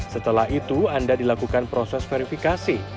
setelah itu anda dilakukan proses verifikasi